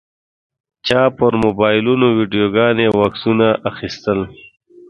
چا پر موبایلونو ویډیوګانې او عکسونه اخیستل.